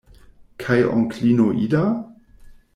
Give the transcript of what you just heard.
Kaj onklino Ida?